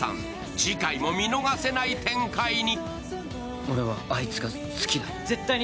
次回も見逃せない展開に。